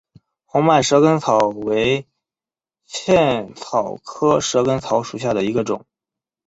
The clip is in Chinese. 红脉蛇根草为茜草科蛇根草属下的一个种。